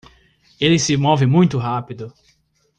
Ele se move muito rápido!